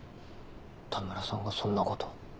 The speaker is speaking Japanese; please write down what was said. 田村さんがそんなこと。